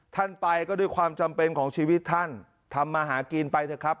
ท่านไปก็ด้วยความจำเป็นของชีวิตท่านทำมาหากินไปเถอะครับ